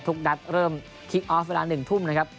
นัดเริ่มคลิกออฟเวลา๑ทุ่มนะครับ